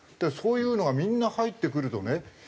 そういうのがみんな入ってくるとね